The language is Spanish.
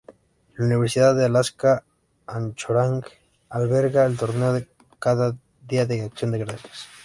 La Universidad de Alaska Anchorage alberga el torneo cada Día de Acción de Gracias.